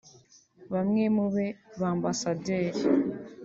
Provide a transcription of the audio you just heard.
bamwe mube ba ambasaderi